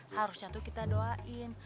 harusnya tuh kita doain